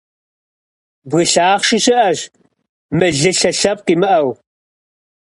Бгы лъахъши щыӀэщ, мылылъэ лъэпкъ имыӀэу.